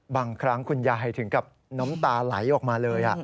บางครั้งคุณยายถึงกับน้ำตาไหลออกมาเลย